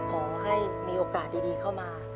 พวกเราขอให้มีโอกาสดีเข้ามา